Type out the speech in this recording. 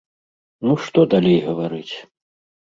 Ну, што далей гаварыць.